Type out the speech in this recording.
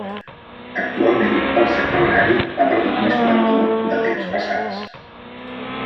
Actualment, el sector agrari ha perdut l'esplendor de temps passats.